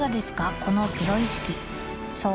このプロ意識そう